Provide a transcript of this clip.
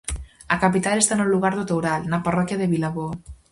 A capital está no lugar do Toural, na parroquia de Vilaboa.